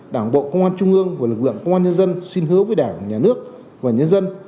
đảng bộ công an trung ương và lực lượng công an nhân dân xin hứa với đảng nhà nước và nhân dân